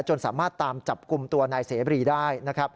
จนสามารถตามจับกลุ่มตัวนายเสรีได้